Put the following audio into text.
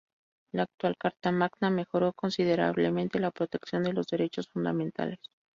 La actual Carta Magna mejoró considerablemente la protección de los derechos fundamentales.